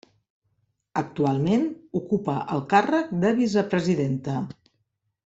Actualment ocupa el càrrec de vicepresidenta.